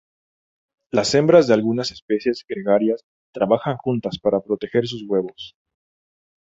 Las hembras de algunas especies gregarias trabajan juntas para proteger sus huevos.